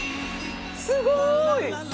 すごい！